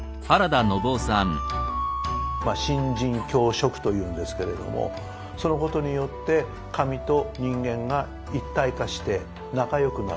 神人共食というんですけれどもそのことによって神と人間が一体化して仲よくなる。